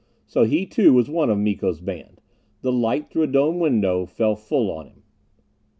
So he too was one of Miko's band! The light through a dome window fell full on him.